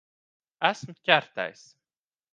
Esmu ķertais.